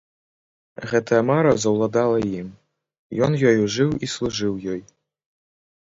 Гэтая мара заўладала ім, ён ёю жыў і служыў ёй.